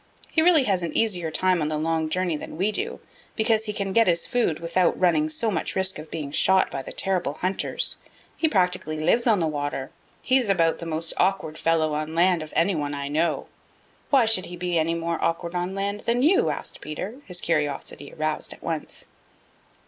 He really has an easier time on the long journey than we do, because he can get his food without running so much risk of being shot by the terrible hunters. He practically lives on the water. He's about the most awkward fellow on land of any one I know." "Why should he be any more awkward on land then you?" asked Peter, his curiosity aroused at once.